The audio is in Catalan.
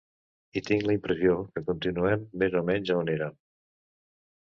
I tinc la impressió que continuem més o menys o érem.